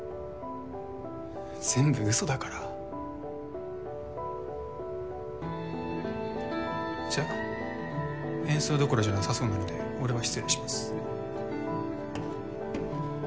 全部ウソだからじゃあ演奏どころじゃなさそうなので俺は失礼します